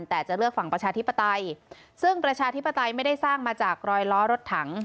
แต่จะเลือกฝั่งประชาธิปไตยซึ่งประชาธิปไตยไม่ได้สร้างมาจากรอยล้อรถถัง